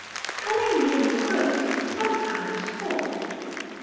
[CUNNING MEN'S CLOAKS SOMETIMES FALL.